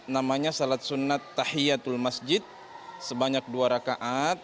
namanya sholat sunnat tahiyatul masjid sebanyak dua rakaat